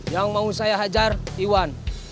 yang mau saya hajar iwan